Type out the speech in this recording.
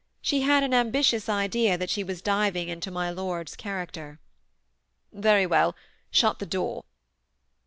She had an ambitious idea that she was diving into my lord's character. Very well ; shut the door."